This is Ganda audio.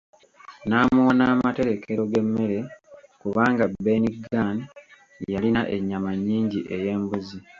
N'amuwa n'amaterekero g'emmere kubanga Ben Gunn yalina ennyama nnyingi ey'embuzi.